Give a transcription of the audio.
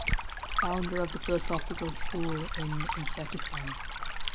Founder of the philosophical school in Uzbekistan.